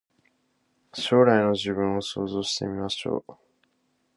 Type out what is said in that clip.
将来の自分を想像してみよう